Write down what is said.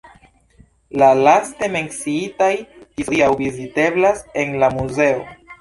La laste menciitaj ĝis hodiaŭ viziteblas en la muzeo.